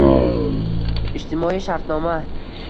Ijtimoiy shartnoma